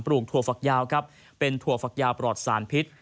ปลูกถั่วฝักยาวเป็นถั่วฝักยาวปลอดสารพิษ